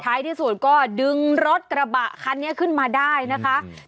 ที่สุดก็ดึงรถกระบะคันนี้ขึ้นมาได้นะคะ